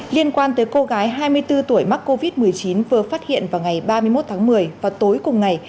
liên quan tới cô gái hai mươi bốn tuổi mắc covid một mươi chín vừa phát hiện vào ngày ba mươi một tháng một mươi và tối cùng ngày